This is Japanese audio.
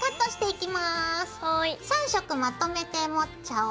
３色まとめて持っちゃおう。